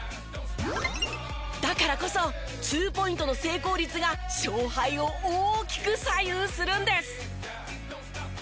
だからこそツーポイントの成功率が勝敗を大きく左右するんです。